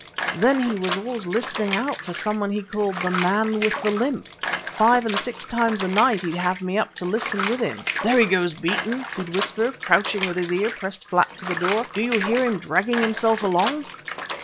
"Then he was always listening out for some one he called 'the man with the limp.' Five and six times a night he'd have me up to listen with him. 'There he goes, Beeton!' he'd whisper, crouching with his ear pressed flat to the door. 'Do you hear him dragging himself along?'